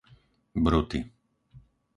Bruty